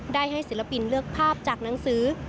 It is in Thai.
ได้ให้ศิลปินเลือกภาพจากหนังสือ